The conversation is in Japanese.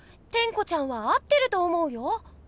テンコちゃんは合ってると思うよ。